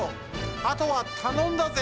あとはたのんだぜ！